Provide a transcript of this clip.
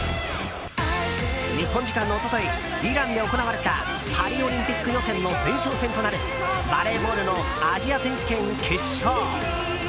日本時間の一昨日イランで行われたパリオリンピック予選の前哨戦となるバレーボールのアジア選手権決勝。